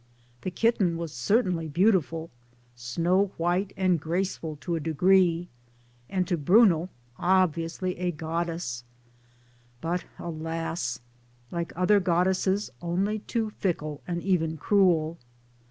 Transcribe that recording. The kitten was certainly beau tiful snow white and graceful to a degree and to Bruno obviously a goddess ; but alas 1 like other goddesses only too fickle and* even cruel.